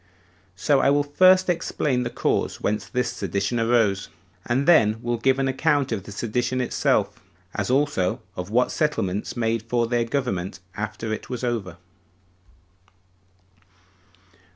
So I will first explain the cause whence this sedition arose, and then will give an account of the sedition itself; as also of what settlements made for their government after it was over.